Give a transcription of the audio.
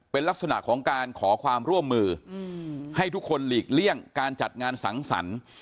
เป็นลักษณะของการขอความร่วมมือให้ทุกคนหลีกเลี่ยงการจัดงานสังสรรค์